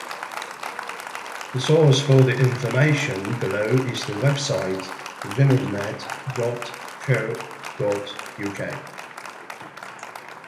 The source for the information below is the website vinylnet dot co dot uk.